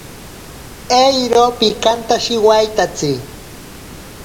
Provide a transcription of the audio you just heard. Eiro pikantashiwaitatsi.